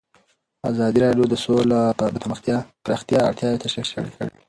ازادي راډیو د سوله د پراختیا اړتیاوې تشریح کړي.